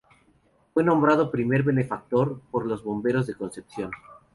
Fue nombrado primer benefactor, por los bomberos de Concepción.